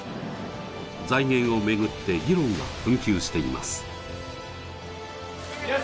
財源を巡って議論が紛糾しています。